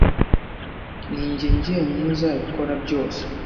ninjye njyenyine uzabikora byose